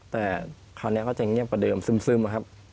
แต่คราวนี้เขาจะเงียบกว่าเดิมซึมครับ